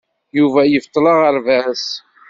Yuba yebṭel aɣerbaz.